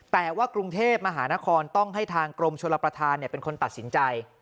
แต่ว่ากรุงเทพมหานครต้องให้ทางกรมชลประธานเป็นคนตัดสินใจ